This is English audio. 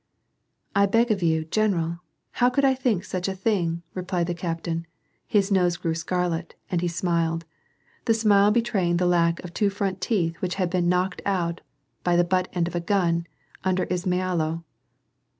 " I beg of you, general ! how could I think of such a thing," replied the captain : his nose grew scarlet and he smiled, the smile betraying the lack of two front teeth which had been knocked out by the but end of a gun, under Izmailo.